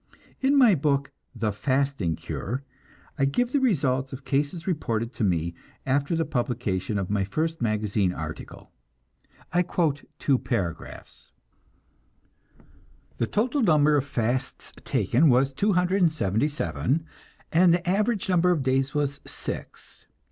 In my book, "The Fasting Cure," I give the results in cases reported to me after the publication of my first magazine article. I quote two paragraphs: "The total number of fasts taken was 277, and the average number of days was six.